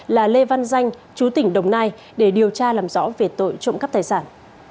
là lê văn danh chú tỉnh đồng nai để điều tra làm rõ về tội trộm cắp tài sản